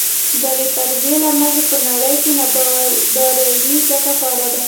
دغې فرضیې له مخې په نړۍ کې نابرابري ځکه خوره ده.